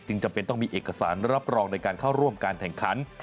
จำเป็นต้องมีเอกสารรับรองในการเข้าร่วมการแข่งขัน